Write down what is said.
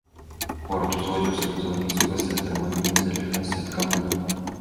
Горад узводзіў сваю званіцу пасля атрымання незалежнасці ад камуны.